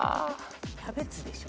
キャベツでしょ。